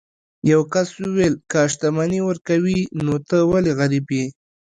یو کس وویل که شتمني ورکوي نو ته ولې غریب یې.